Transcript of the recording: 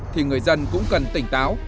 thì người dân cũng cần tỉnh táo